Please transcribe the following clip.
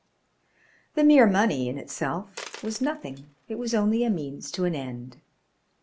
The mere money in itself was nothing; it was only a means to an end.